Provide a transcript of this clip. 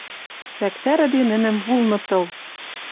Цӓктӓрӹде нӹнӹм вулны тыл.